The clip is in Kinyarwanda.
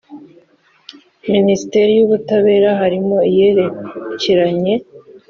minisiteri y ubutabera harimo iyerekeranye